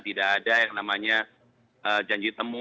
tidak ada yang namanya janji temu